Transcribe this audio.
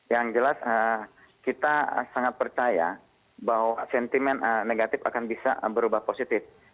yang jelas kita sangat percaya bahwa sentimen negatif akan bisa berubah positif